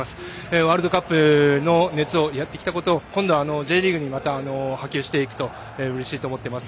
ワールドカップの熱をやってきたことを今度はＪリーグに波及していくとうれしいと思っています。